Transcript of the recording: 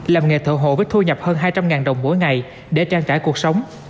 làm nghề thợ hồ với thu nhập hơn hai trăm linh đồng mỗi ngày để trang trải cuộc sống